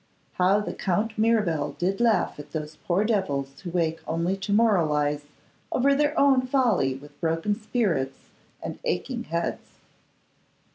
How the Count Mirabel did laugh at those poor devils who wake only to moralise over their own folly with broken spirits and aching heads!